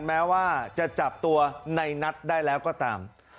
แม้ว่าจะจับตัวในนัทได้แล้วก็ตาม